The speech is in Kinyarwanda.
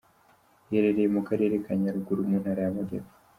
Iherereye mu Karere ka Nyaruguru, mu Ntara y’Amajyepfo.